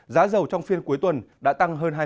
giá dầu trong phiên cuối tuần đã tăng hơn hai